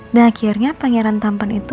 dan akhirnya pangeran tampan itu